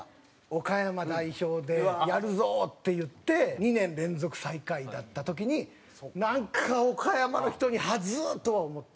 岡山代表でやるぞっていって２年連続最下位だった時になんか岡山の人に恥ずっ！とは思った。